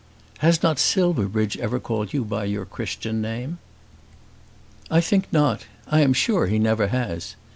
"Has not Silverbridge ever called you by your Christian name?" "I think not. I am sure he never has."